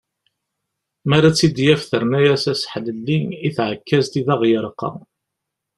Mi ara tt-id-yaf terna-yas aseḥlelli i tεekkazt i d aɣ-yerqa.